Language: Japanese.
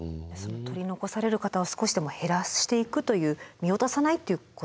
取り残される方を少しでも減らしていくという見落とさないということなんですね。